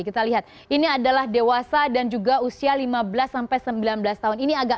kita lihat ini adalah dewasa dan juga usia lima belas sampai sembilan belas tahun ini agak